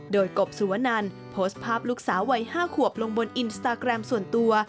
โดยกบสุวนันโพสต์ภาพลูกสาววัย๕ขวบลงบนอินสตาแกรมส่วนตัว